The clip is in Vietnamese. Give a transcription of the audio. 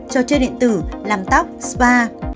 cho chơi điện tử làm tóc spa